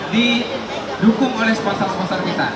didukung oleh sponsor sponsor kita